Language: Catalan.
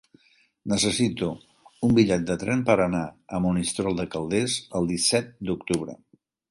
Necessito un bitllet de tren per anar a Monistrol de Calders el disset d'octubre.